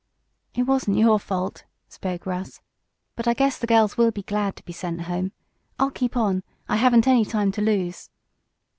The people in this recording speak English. "It wasn't your fault," spoke Russ. "But I guess the girls will be glad to be sent home. I'll keep on. I haven't any time to lose."